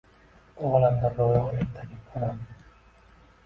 Bu olamda rõyo ertagim onam